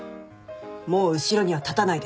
もう後ろには立たないで。